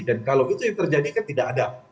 dan kalau itu yang terjadi kan tidak ada